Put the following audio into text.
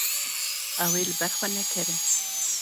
Ew ê li ber xwe nekeve.